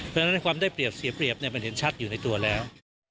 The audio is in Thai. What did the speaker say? เพราะฉะนั้นความได้เปรียบเสียเปรียบมันเห็นชัดอยู่ในตัวแล้ว